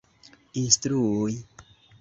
instrui